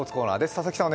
佐々木さん